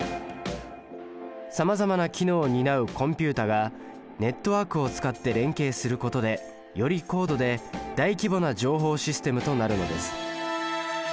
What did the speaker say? さまざまな機能を担うコンピュータがネットワークを使って連携することでより高度で大規模な情報システムとなるのです。